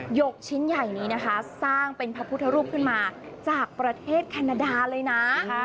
ยกชิ้นใหญ่นี้นะคะสร้างเป็นพระพุทธรูปขึ้นมาจากประเทศแคนาดาเลยนะ